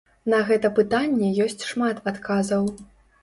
На гэта пытанне ёсць шмат адказаў.